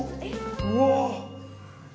うわ！